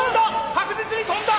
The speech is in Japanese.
確実に跳んだ！